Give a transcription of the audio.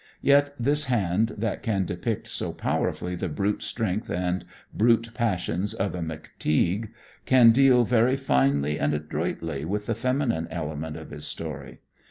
Yet this hand that can depict so powerfully the brute strength and brute passions of a "McTeague," can deal very finely and adroitly with the feminine element of his story.